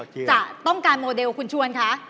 จะต้องการโมเดลคุณชวนคะ